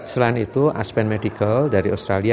selain itu aspek medical dari australia